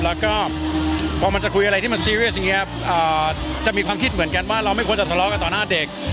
แล้วก็พอมันจะคุยอะไรที่มันซีเวสอย่างนี้จะมีความคิดเหมือนกันว่าเราไม่ควรจะทะเลาะกันต่อหน้าเด็ก